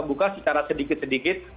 buka secara sedikit sedikit